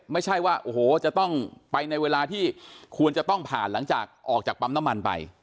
ไม่ใช่ว่าโอ้โหจะต้องไปในเวลาที่ควรจะต้องผ่านหลังจากออกจากปั๊มน้ำมันไป